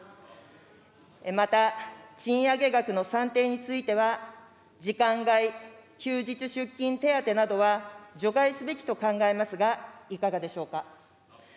また、賃上げ額の算定については、時間外・休日出勤手当などは、除外すべきと考えますが、いかがでしょうか。